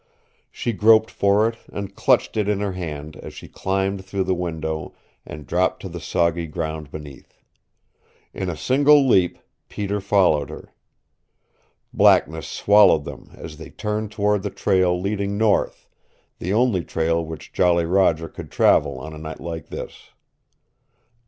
She groped for it, and clutched it in her hand as she climbed through the window and dropped to the soggy ground beneath. In a single leap Peter followed her. Blackness swallowed them as they turned toward the trail leading north the only trail which Jolly Roger could travel on a night like this.